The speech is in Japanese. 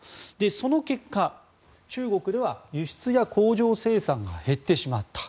その結果、中国では輸出や工場生産が減ってしまった。